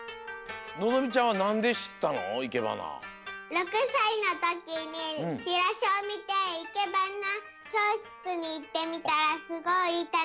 ６さいのときにチラシをみていけばなきょうしつにいってみたらすごいたのしくて。